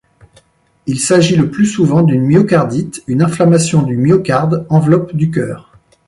Il s’agit le plus souvent d’une myocardite, une inflammation du myocarde, enveloppe du cœur.